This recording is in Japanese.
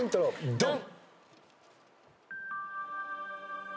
ドン！